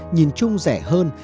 nhìn chung rẻ hơn